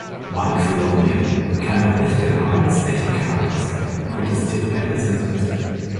„Mike Fallopian kann doch nicht der Name eines echten Charakters sein“, protestiert ein Rezensent.